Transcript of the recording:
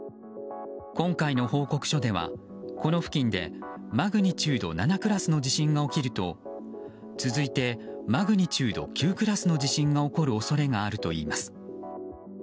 今回の報告書では、この付近でマグニチュード７クラスの地震が起きると、続いてマグニチュード９クラスの地震が起こる恐れがあるといいます。